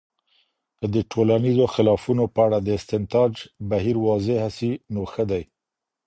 که د ټولنیزو خلافونو په اړه د استنتاج بهیر واضحه سي، نو ښه دی.